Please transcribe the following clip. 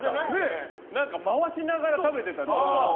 回しながら食べてた。